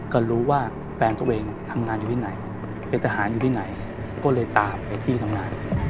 ก็รู้ว่าแฟนตัวเองทำงานอยู่ที่ไหนเป็นทหารอยู่ที่ไหนก็เลยตามไปที่ทำงาน